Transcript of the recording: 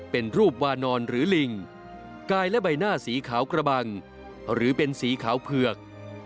เป็นรูปวานอนหรือลิงกายและใบหน้าสีขาวกระบังหรือเป็นสีขาวเผือก